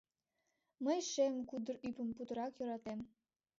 — Мый шем кудыр ӱпым путырак йӧратем.